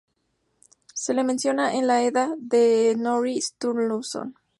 Se la menciona en la Edda de Snorri Sturluson.